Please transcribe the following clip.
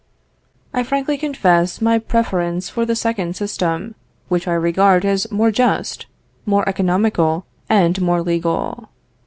I frankly confess my preference for the second system, which I regard as more just, more economical and more legal.